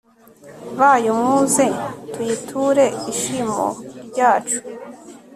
bayo, muze tuyiture ishimo ryacu